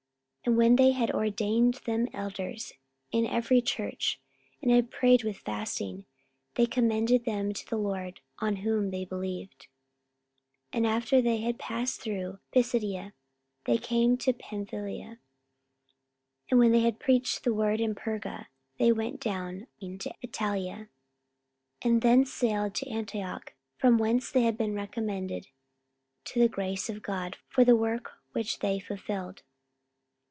44:014:023 And when they had ordained them elders in every church, and had prayed with fasting, they commended them to the Lord, on whom they believed. 44:014:024 And after they had passed throughout Pisidia, they came to Pamphylia. 44:014:025 And when they had preached the word in Perga, they went down into Attalia: 44:014:026 And thence sailed to Antioch, from whence they had been recommended to the grace of God for the work which they fulfilled.